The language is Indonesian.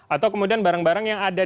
atau kemudian barang barang yang ada